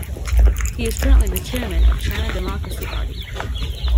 He is currently the chairman of China Democracy Party.